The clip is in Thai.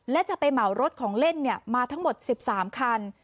และจะไปเหมารถของเล่นมาทั้งหมด๑๓คัน